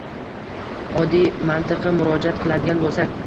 Oddiy mantiqqa murojaat qiladigan bo‘lsak